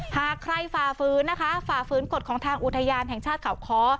หากใครฝ่าฝืนนะคะฝ่าฝืนกฎของทางอุทยานแห่งชาติเขาค้อ